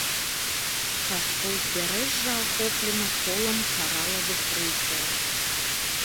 Частка ўзбярэжжа ахоплена колам каралавых рыфаў.